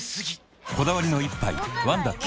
こだわりの一杯「ワンダ極」